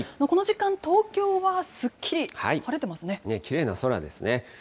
この時間、東京はすっきり晴れてきれいな空ですね。